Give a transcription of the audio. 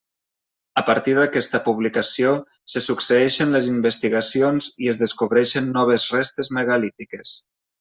A partir d'aquesta publicació, se succeeixen les investigacions i es descobreixen noves restes megalítiques.